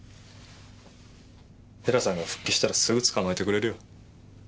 寺さんが復帰したらすぐ捕まえてくれるよ。